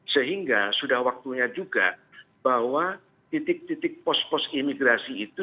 sehingga sudah waktunya juga bahwa titik titik pos pos imigrasi itu